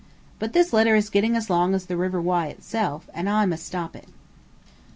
But this letter is getting as long as the River Wye itself, and I must stop it.